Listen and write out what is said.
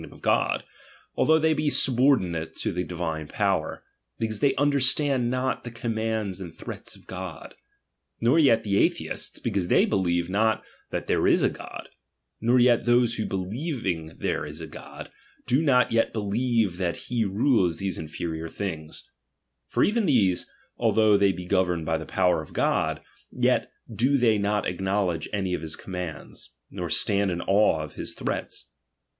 20S] dom of God, although they be subordinate to the chap.xv. divine power; because they nndejstand not the '' commands and threats of God : nor yet the atheists, because they believe not that there is a God ; nor yet those who believing there is a God, do not yet believe that he rules these inferior things : for even these, although they be governed by the power of God, yet do they not acknowledge any of his commands, nor stand in awe of his threats.